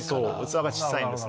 器が小さいんです。